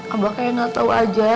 abah kayak gak tau aja